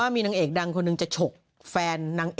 มีธลอกด้วย